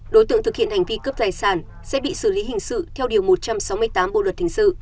đối tượng thực hiện hành vi cướp tài sản sẽ bị xử lý hình sự theo điều một trăm sáu mươi tám bộ luật hình sự